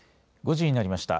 ５時になりました。